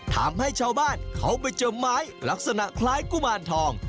ทำให้ชาวบ้านเขาไปเจอไม้ลักษณะคล้ายกุมารทอง